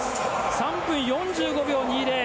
３分４５秒２０。